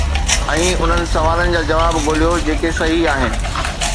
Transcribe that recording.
۽ انهن سوالن جا جواب ڳوليو جيڪي صحيح آهن